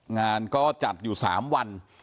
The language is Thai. งานก็จัดอยู่๓วัน